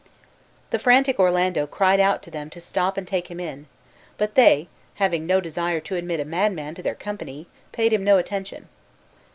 The frantic Orlando cried out to them to stop and take him in; but they, having no desire to admit a madman to their company, paid him no attention.